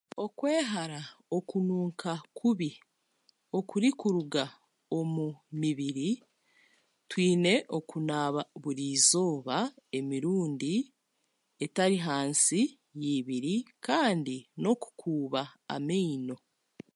Okwehara okunuuka kubi, kurikuruga omu mibiri, twine okunaaba burizooba emirundi etari hainsi y'eibiri kandi n'okukuuba amaino.